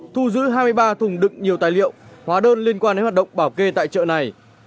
thu giữ hai mươi ba thùng đựng nhiều tài liệu hóa đơn liên quan đến hoạt động bảo kê tại chợ này